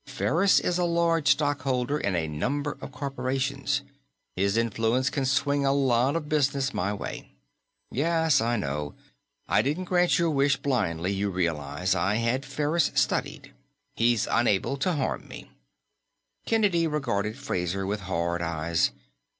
"Ferris is a large stockholder in a number of corporations. His influence can swing a lot of business my way." "Yes, I know. I didn't grant your wish blindly, you realize. I had Ferris studied; he's unable to harm me." Kennedy regarded Fraser with hard eyes.